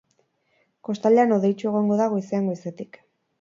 Kostaldean hodeitsu egongo da goizean goizetik.